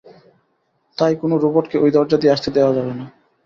তাই, কোনো রোবটকে ওই দরজা দিয়ে আসতে দেওয়া যাবে না।